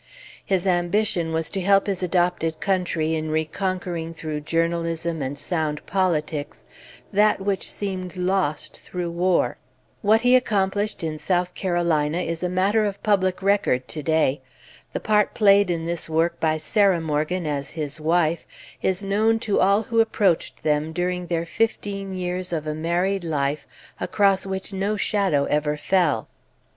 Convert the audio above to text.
His ambition was to help his adopted country in reconquering through journalism and sound politics that which seemed lost through war. What he accomplished in South Carolina is a matter of public record to day. The part played in this work by Sarah Morgan as his wife is known to all who approached them during their fifteen years of a married life across which no shadow ever fell.